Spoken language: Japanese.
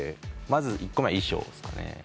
まず１個目は衣装ですかね。